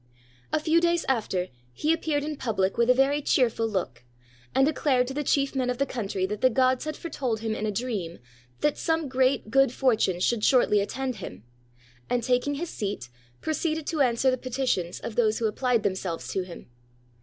A few days after, he appeared in public with a very cheer ful look, and declared to the chief men of the country that the gods had foretold him in a dream that some great good fortune should shortly attend him; and, taking his seat, proceeded to answer the petitions of those who appUed themselves to him.